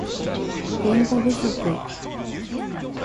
言語不足